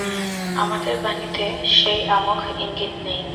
আমাদের বাণীতে সেই অমোঘ ইঙ্গিত নেই।